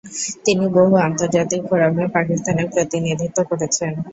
তিনি বহু আন্তর্জাতিক ফোরামে পাকিস্তানের প্রতিনিধিত্ব করেছেন।